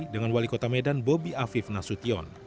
dengan wali kota medan bobi afif nasution